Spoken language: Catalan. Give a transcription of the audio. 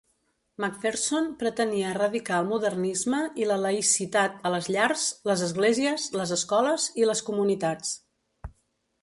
McPherson pretenia erradicar el modernisme i la laïcitat a les llars, les esglésies, les escoles i les comunitats.